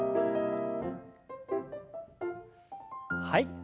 はい。